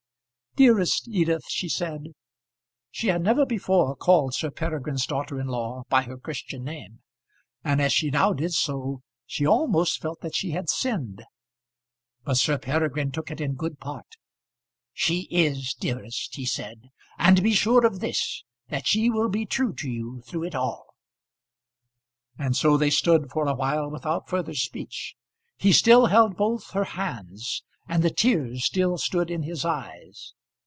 "Dearest Edith," she said; she had never before called Sir Peregrine's daughter in law by her Christian name, and as she now did so she almost felt that she had sinned. But Sir Peregrine took it in good part. "She is dearest," he said; "and be sure of this, that she will be true to you through it all." And so they stood for a while without further speech. He still held both her hands, and the tears still stood in his eyes.